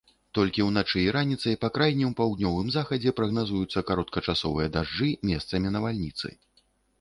Толькі ўначы і раніцай па крайнім паўднёвым захадзе прагназуюцца кароткачасовыя дажджы, месцамі навальніцы.